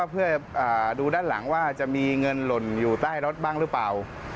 เพื่อดูด้านหลังว่าจะมีเงินหล่นอยู่ใต้รถบ้างหรือเปล่า